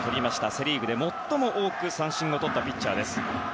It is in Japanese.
セ・リーグで最も多く三振をとったピッチャーです。